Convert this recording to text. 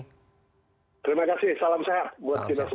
terima kasih salam sehat